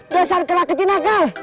kesan kera kecinakan